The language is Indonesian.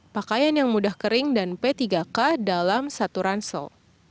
pakaian yang mudah kering dan p tiga k dalam satu ransel